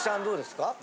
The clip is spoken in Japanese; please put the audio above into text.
どうですか？